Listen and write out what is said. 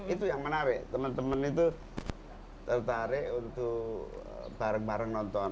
itu yang menarik teman teman itu tertarik untuk bareng bareng nonton